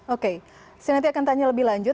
oke saya nanti akan tanya lebih lanjut